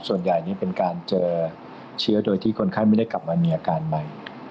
ส่วนใหญ่นี่เป็นการเจอเชื้อโดยที่คนไข้ไม่ได้กลับมามีอาการใหม่